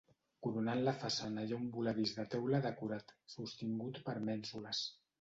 Coronant la façana hi ha un voladís de teula decorat, sostingut per mènsules.